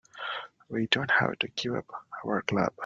We don't have to give up our club.